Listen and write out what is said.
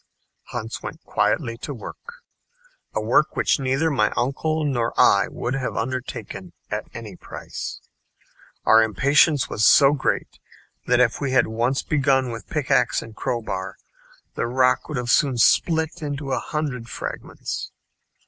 Hans went quietly to work a work which neither my uncle nor I would have undertaken at any price. Our impatience was so great that if we had once begun with pickax and crowbar, the rock would soon have split into a hundred fragments.